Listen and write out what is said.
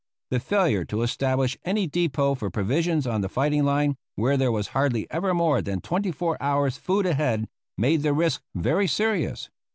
The failure to establish any depot for provisions on the fighting line, where there was hardly ever more than twenty four hours' food ahead, made the risk very serious.